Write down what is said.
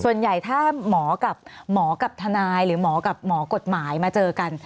ส่วนใหญ่ถ้าหมอกับหมอกับทนายหรือหมอกับหมอกฎหมายมาเจอกัน